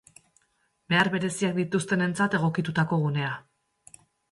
Behar bereziak dituztenentzat egokitutako gunea.